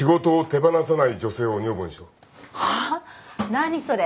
何それ。